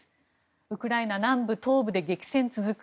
ウクライナ南部・東部で激戦続く。